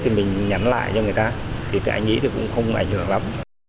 thì mình nhắn lại cho người ta thì cả anh ý cũng không ảnh hưởng lắm